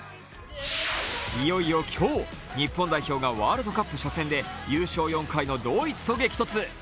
いよいよ今日、日本代表がワールドカップ初戦で優勝４回のドイツと激突。